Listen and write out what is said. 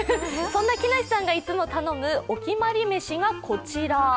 そんな木梨さんがいつも頼むお決まりメシがこちら。